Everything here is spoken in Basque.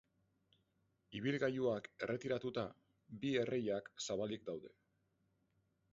Ibilgailuak erretiratuta, bi erreiak zabalik daude.